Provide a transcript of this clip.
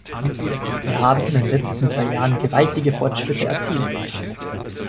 Wir haben in den letzten drei Jahren gewaltige Fortschritte erzielt.